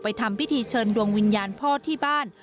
ทำพิธีเชิญดวงวิญญาณพ่อที่บ้าน